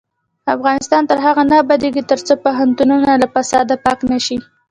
افغانستان تر هغو نه ابادیږي، ترڅو پوهنتونونه له فساده پاک نشي.